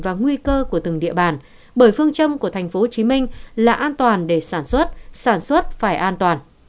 và nguy cơ của từng địa bàn bởi phương châm của tp hcm là an toàn để sản xuất sản xuất phải an toàn